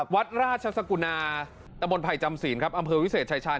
วัดราชสกุณาตมพัยจำศีลอำเภอวิเศษชายชาญ